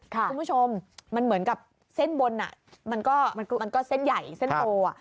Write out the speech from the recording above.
คุณผู้ชมมันเหมือนกับเส้นบนมันก็เส้นใหญ่เส้นโตอ่ะ